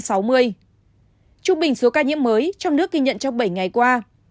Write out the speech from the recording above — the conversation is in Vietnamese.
trung bình số ca nhiễm mới trong nước ghi nhận trong bảy ngày qua